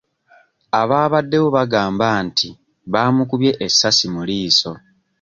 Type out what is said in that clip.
Abaabaddewo bagamba nti baamukubye essasi mu liiso.